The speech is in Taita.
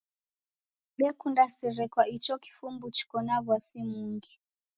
Dekunda sere kwa icho kifumbu chiko na w'asi mungi.